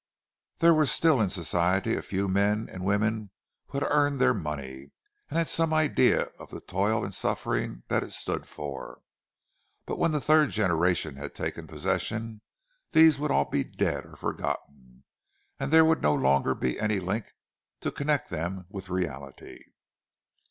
There were still in Society a few men and women who had earned their money, and had some idea of the toil and suffering that it stood for; but when the third generation had taken possession, these would all be dead or forgotten, and there would no longer be any link to connect them with reality!